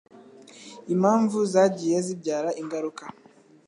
Impamvu zagiye zibyara ingaruka.